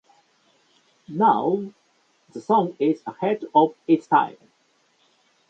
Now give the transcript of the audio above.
Now the song is ahead of its time.